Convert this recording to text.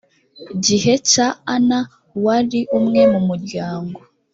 gihe cya ana wari umwe mu muryango